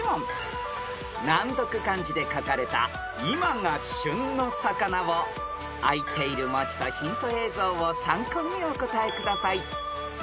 ［難読漢字で書かれた今が旬の魚をあいている文字とヒント映像を参考にお答えください］